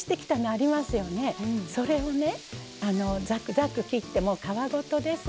それをねざくざく切ってもう皮ごとです。